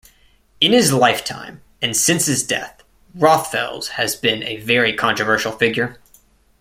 In his lifetime and since his death, Rothfels has been a very controversial figure.